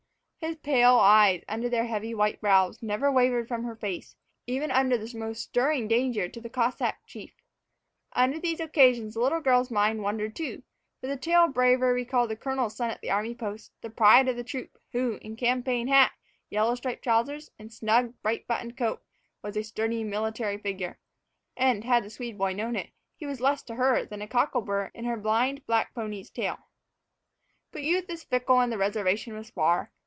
His pale eyes, under their heavy white brows, never wavered from her face, even during the most stirring danger to the Cossack chief. Upon these occasions the little girl's mind wandered, too; for the tale of bravery recalled the colonel's son at the army post, the pride of the troop, who, in campaign hat, yellow striped trousers, and snug, bright buttoned coat, was a sturdy military figure. And had the Swede boy known it, he was less to her than a cockle bur in her blind black pony's tail. But youth is fickle and the reservation was far.